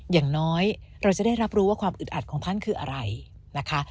อย่างน้อยเราจะได้รับรู้ว่าความอึดอัดของท่านคืออะไรนะคะ